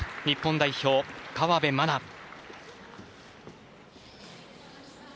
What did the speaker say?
日本代表、河辺愛菜。